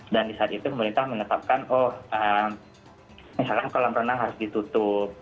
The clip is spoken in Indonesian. dan disaat itu pemerintah mengetapkan oh misalkan kolam renang harus ditutup